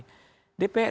dpr itu bisa dikejar